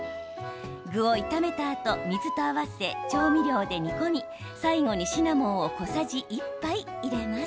具を炒めたあと水と合わせ、調味料で煮込み最後にシナモンを小さじ１杯入れます。